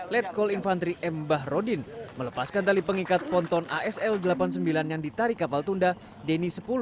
letkol infantri m bahrodin melepaskan tali pengikat ponton asl delapan puluh sembilan yang ditarik kapal tunda deni sepuluh